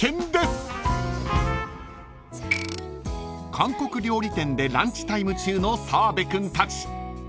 ［韓国料理店でランチタイム中の澤部君たち］